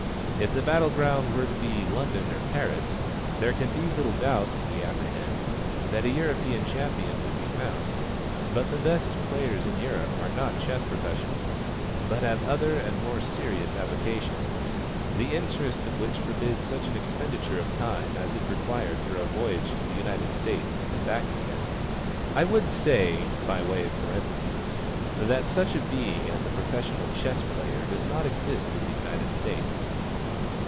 If the battle ground were to be London or Paris, there can be little doubt, we apprehend, that a European champion would be found; but the best players in Europe are not chess professionals, but have other and more serious avocations, the interests of which forbid such an expenditure of time as is required for a voyage to the United States and back again." I would say, by way of parenthesis, that such a being as a professional chess player does not exist in the United States.